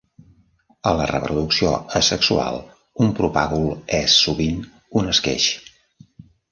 A la reproducció asexual, un propàgul és, sovint, un esqueix.